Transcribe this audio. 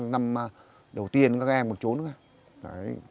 năm đầu tiên các em còn trốn